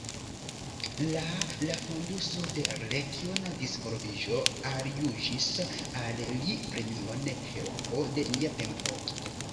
La la Fonduso de Regiona Disvolviĝo aljuĝis al li premion «Heroo de nia tempo».